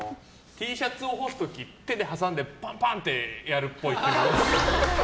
Ｔシャツを干す時手で挟んでパンパンってやるっぽい。